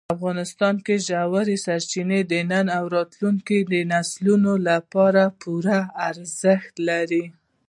افغانستان کې ژورې سرچینې د نن او راتلونکي نسلونو لپاره پوره ارزښت لري.